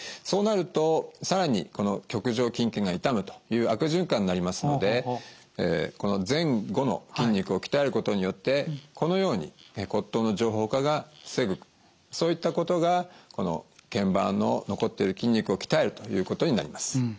そうなると更にこの棘上筋腱が傷むという悪循環になりますのでこの前後の筋肉を鍛えることによってこのように骨頭の上方化が防ぐそういったことがこの腱板の残っている筋肉を鍛えるということになります。